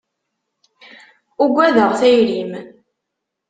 Ugadeɣ tayri-m.